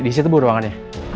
di situ bu ruangannya